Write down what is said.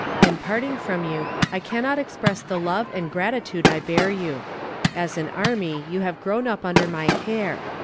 In parting from you I cannot express the love and gratitude I bear you. As an army you have grown up under my care.